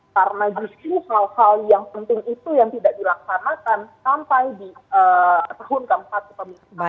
karena justru hal hal yang penting itu yang tidak dilaksanakan sampai di tahun ke empat kepemimpinan